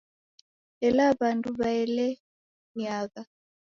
Ela w'andu waelianagha